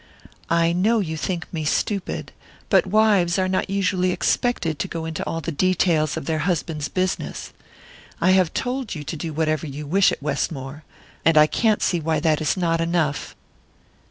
"I know you think me stupid but wives are not usually expected to go into all the details of their husband's business. I have told you to do whatever you wish at Westmore, and I can't see why that is not enough."